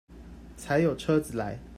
才有車子來